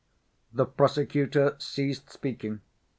The prosecutor ceased speaking.